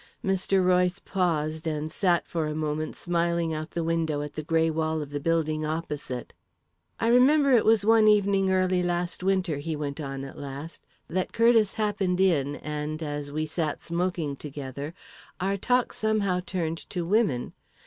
Mr. Royce paused and sat for a moment smiling out the window at the grey wall of the building opposite. "I remember it was one evening early last winter," he went on at last, "that Curtiss happened in and, as we sat smoking together, our talk somehow turned to women.